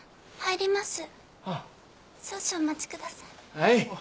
はい。